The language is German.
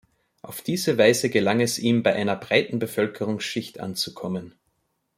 Auf diese Weise gelang es ihm, bei einer breiten Bevölkerungsschicht anzukommen.